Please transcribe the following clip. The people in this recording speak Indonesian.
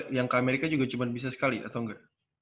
yang ke amerika juga cuma bisa sekali atau enggak